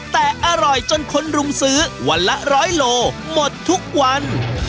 แต่อร่อยจนคนรุมซื้อวันละ๑๐๐โลหมดทุกวัน